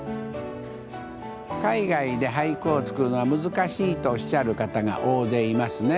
海外で俳句を作るのは難しいとおっしゃる方が大勢いますね。